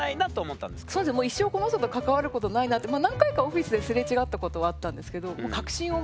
そうですねもう一生この人と関わることないなってまあ何回かオフィスですれ違ったことはあったんですけど。